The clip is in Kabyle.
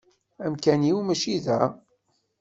Amkan-iw mačči da.